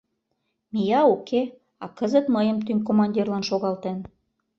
— Мия, уке, а кызыт мыйым тӱҥ командирлан шогалтен.